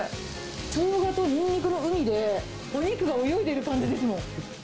ショウガとニンニクの海で、お肉が泳いでる感じですもん。